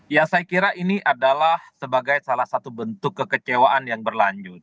ya saya kira ini adalah sebagai salah satu bentuk kekecewaan yang berlanjut